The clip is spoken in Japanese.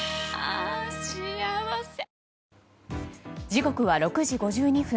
時刻は６時５２分。